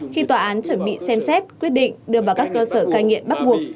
khi tòa án chuẩn bị xem xét quyết định đưa vào các cơ sở cai nghiện bắt buộc